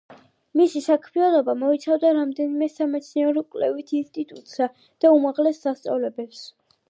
მისი საქმიანობა მოიცავდა რამდენიმე სამეცნიერო-კვლევით ინსტიტუტსა და უმაღლეს სასწავლებელს.